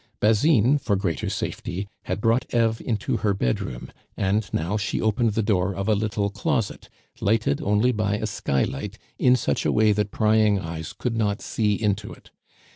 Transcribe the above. Basine, for greater safety, had brought Eve into her bedroom, and now she opened the door of a little closet, lighted only by a skylight in such a way that prying eyes could not see into it.